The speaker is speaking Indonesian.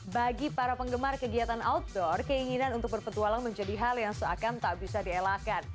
bagi para penggemar kegiatan outdoor keinginan untuk berpetualang menjadi hal yang seakan tak bisa dielakkan